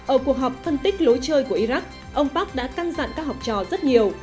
ở cuộc họp phân tích lối chơi của iraq ông park đã căng dặn các học trò rất nhiều